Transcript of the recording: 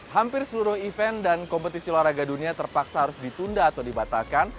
hampir seluruh event dan kompetisi olahraga dunia terpaksa harus ditunda atau dibatalkan